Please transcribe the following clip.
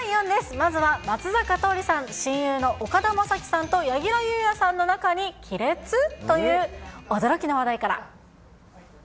まずは松坂桃李さん、親友の岡田将生さんと柳楽優弥さんの中に亀裂？という驚きの話題から。